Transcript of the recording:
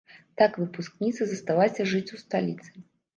Так выпускніца засталася жыць ў сталіцы.